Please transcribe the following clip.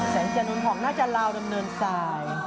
แสงจรรย์นุ่นของนาจาราวเดิมเนินสาย